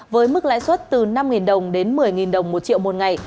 với mức lãi suất từ năm đồng đến một mươi đồng một triệu một ngày